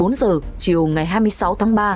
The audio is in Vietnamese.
một mươi bốn h chiều ngày hai mươi sáu tháng ba